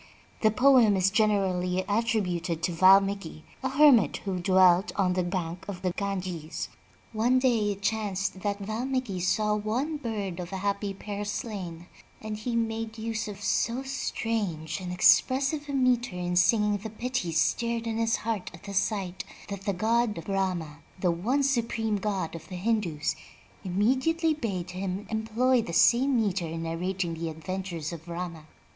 The poem is generally attrib uted to Valmiki, a hermit who dwelt on the bank of the Ganges. One day it chanced that Valmiki saw one bird of a happy pair slain, and he made use of so strange and expressive a meter in singing the pity stirred in his heart at the sight, that the god Brahma, the one supreme God of the Hindus, immediately bade him employ the same meter in narrating the adventures of Rama.